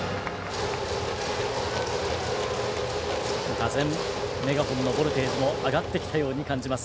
がぜん、メガホンのボルテージも上がってきたように感じます。